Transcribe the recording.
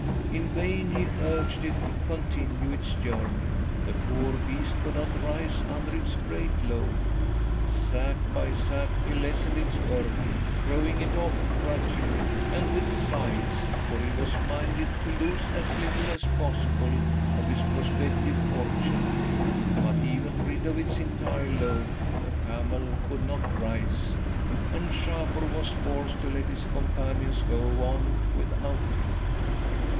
In vain he urged it to continue its journey. The poor beast could not rise under its great load. "'Sack by sack he lessened its burden, throwing it off grudgingly and with sighs, for he was minded to lose as little as possible of his prospective fortune. But even rid of its entire load, the camel could not rise, and Shapur was forced to let his companions go on without him.